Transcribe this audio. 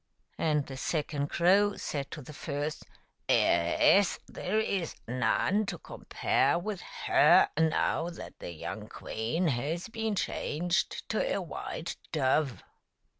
And the second crow said to the first, " Yes, there is none to compare with her now that the young queen has been changed to a white dove.